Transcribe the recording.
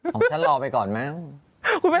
ของฉันรอไปก่อนมั้ย